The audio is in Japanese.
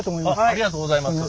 ありがとうございます。